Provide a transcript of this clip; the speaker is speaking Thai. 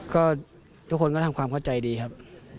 ก็ทุกคนก็ทำความเข้าใจดีครับ